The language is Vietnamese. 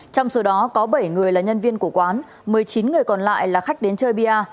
trong số đó có bảy người là nhân viên của quán một mươi chín người còn lại là khách đến chơi bia